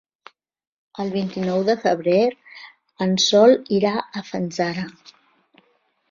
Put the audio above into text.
El vint-i-nou de febrer en Sol irà a Fanzara.